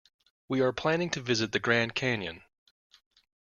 We are planning to visit the Grand Canyon.